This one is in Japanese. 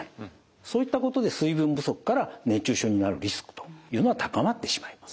そういったことで水分不足から熱中症になるリスクというのは高まってしまいます。